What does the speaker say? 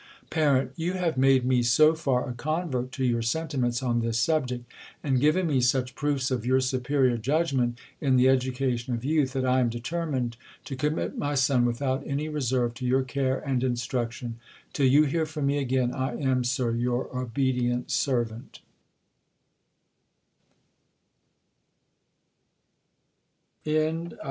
Par, You have made me so far a convert to your sentiments on this subject, and given me such proofs of your SLiperiour judgment in the education of youth, that I am determined to^commit my son, without any reserve, to your care and instruction. Till you hear from me again, I am, Sir, your obedient servant.